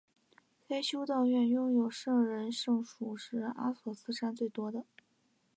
该修道院拥有的圣人圣髑是阿索斯山最多的。